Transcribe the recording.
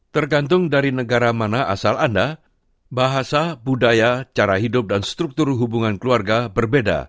tergantung dari negara mana asal anda bahasa budaya cara hidup dan struktur hubungan keluarga berbeda